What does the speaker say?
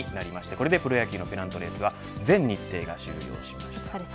これでプロ野球のペナントレースは全てが終了しました。